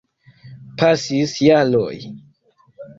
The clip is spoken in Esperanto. Pasis jaroj.